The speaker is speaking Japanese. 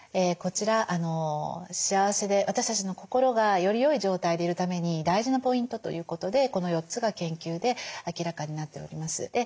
こちら幸せで私たちの心がより良い状態でいるために大事なポイントということでこの４つが研究で明らかになっております。